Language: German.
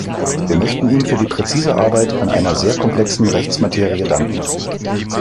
Wir möchten ihm für die präzise Arbeit an einer sehr komplexen Rechtsmaterie danken.